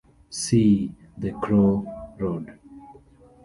See "The Crow Road".